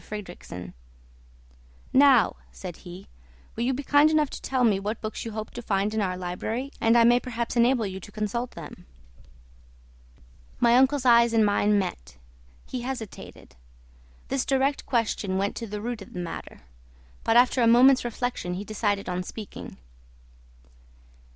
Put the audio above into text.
Fridrikssen. "Now," said he, "will you be kind enough to tell me what books you hoped to find in our library and I may perhaps enable you to consult them?" My uncle's eyes and mine met. He hesitated. This direct question went to the root of the matter. But after a moment's reflection he decided on speaking.